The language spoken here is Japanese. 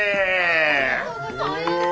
ありがとうございます。